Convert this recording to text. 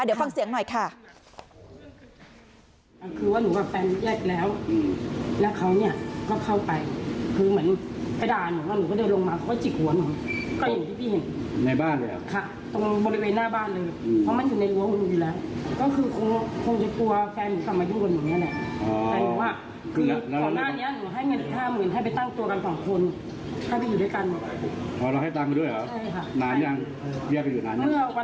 เดี๋ยวฟังเสียงหน่อยค่ะ